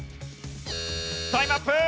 タイムアップ！